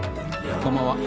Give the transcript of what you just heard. こんばんは。